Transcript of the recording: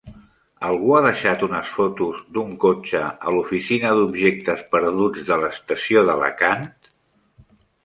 Algú ha deixat unes fotos d'un cotxe a l'oficina d'objectes perduts de l'estació d'Alacant?